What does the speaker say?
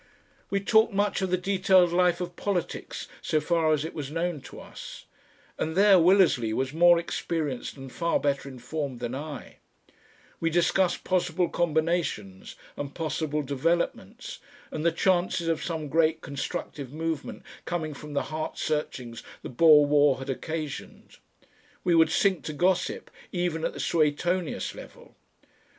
We talked much of the detailed life of politics so far as it was known to us, and there Willersley was more experienced and far better informed than I; we discussed possible combinations and possible developments, and the chances of some great constructive movement coming from the heart searchings the Boer war had occasioned. We would sink to gossip even at the Suetonius level.